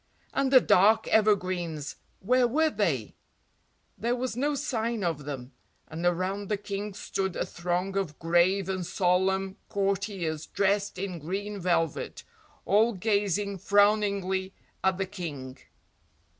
And the dark evergreens, where were they? There was no sign of them, and around the king stood a throng of grave and solemn courtiers dressed in green velvet, all gazing frowningly at the King.